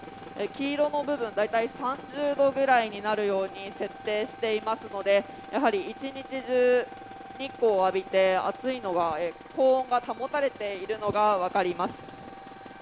黄色の部分、大体３０度くらいになるように設定していますので一日中、日光を浴びて高温が保たれているのが分かります。